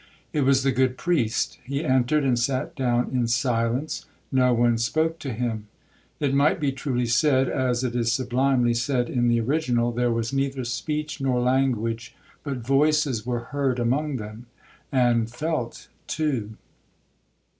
It was the good priest. He entered, and sat down in silence,—no one spoke to him. It might be truly said, as it is sublimely said in the original, 'There was neither speech nor language, but voices were heard among them—'and felt too.'